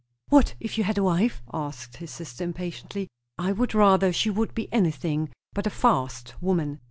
"What if you had a wife?" asked his sister impatiently. "I would rather she would be anything but a 'fast' woman."